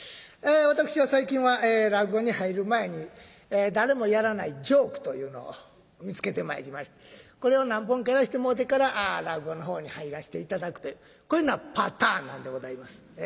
私は最近は落語に入る前に誰もやらないジョークというのを見つけてまいりましてこれを何本かやらしてもうてから落語の方に入らして頂くというこういうようなパターンなんでございます。